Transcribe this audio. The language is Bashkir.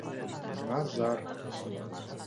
На-зар...